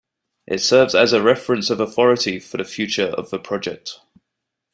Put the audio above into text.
It serves as a reference of authority for the future of the project.